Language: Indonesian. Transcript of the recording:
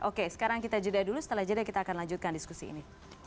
oke sekarang kita jeda dulu setelah jeda kita akan lanjutkan diskusi ini